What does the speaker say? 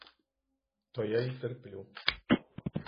То я й терплю.